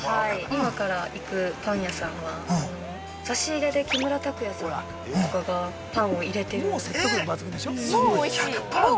◆今から行くパン屋さんは差し入れで木村拓哉さんとかがパンを入れてる◆